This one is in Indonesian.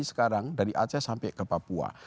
sekarang dari aceh sampai ke papua